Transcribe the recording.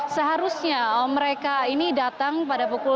seharusnya mereka ini datang pada pukul